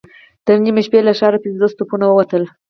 تر نيمې شپې له ښاره پنځوس توپونه ووتل.